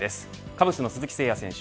カブスの鈴木誠也選手